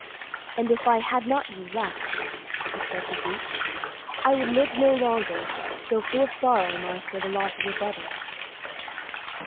"And if I had not you left", he said to Boots, "I would live no longer, so full of sorrow am I for the loss of your brothers."